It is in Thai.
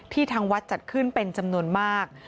ทางวัดจัดขึ้นเป็นจำนวนมาก